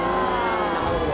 なるほど。